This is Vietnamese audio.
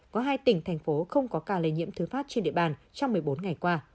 có hai tỉnh thành phố không có ca lây nhiễm thứ phát trên địa bàn trong một mươi bốn ngày qua